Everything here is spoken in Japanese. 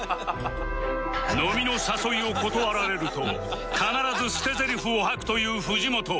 飲みの誘いを断られると必ず捨て台詞を吐くという藤本